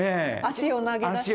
足を投げ出した。